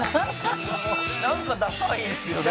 「なんかダサいんですよね」